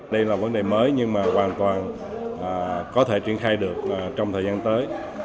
đây là vấn đề mới nhưng mà hoàn toàn có thể triển khai được trong thời gian tới